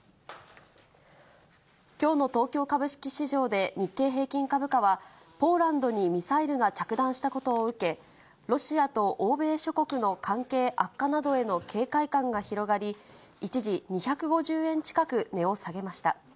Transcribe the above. きょうの東京株式市場で、日経平均株価は、ポーランドにミサイルが着弾したことを受け、ロシアと欧米諸国の関係悪化などへの警戒感が広がり、一時、２５０円近く値を下げました。